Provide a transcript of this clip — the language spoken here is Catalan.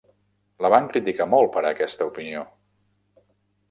La van criticar molt per aquest opinió.